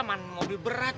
man mobil berat